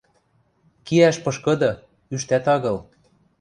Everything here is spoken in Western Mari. Киӓш пышкыды, ӱштӓт агыл.